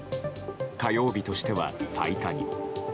火曜日としては最多に。